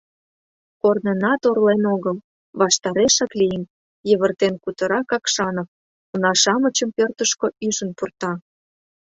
Корнына торлен огыл, ваштарешак лийын, — йывыртен кутыра Какшанов, уна-шамычым пӧртышкӧ ӱжын пурта.